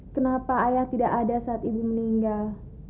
kenapa ayah tidak ada saat ibu meninggal